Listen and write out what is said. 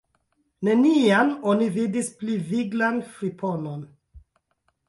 Nenian oni vidis pli viglan friponon.